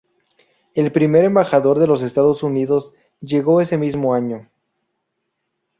El primer embajador de los Estados Unidos llegó ese mismo año.